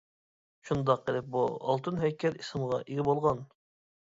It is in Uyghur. شۇنداق قىلىپ، بۇ ئالتۇن ھەيكەل ئىسىمغا ئىگە بولغان.